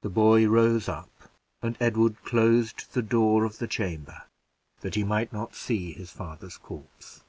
The boy rose up, and Edward closed the door of the chamber that he might not see his father's corpse.